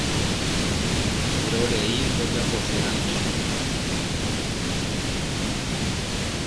Vyrorei ojapose ha'eñónte.